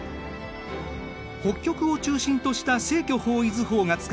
北極を中心とした正距方位図法が使われているんだ。